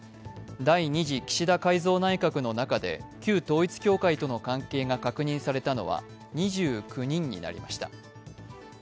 第２次岸田改造内閣の中で旧統一教会との関係が確認されたのは２９人になりました。